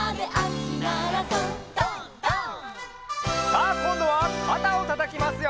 「」さあこんどはかたをたたきますよ。